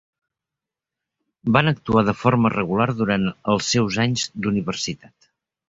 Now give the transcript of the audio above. Van actuar de forma regular durant els seus anys d'universitat.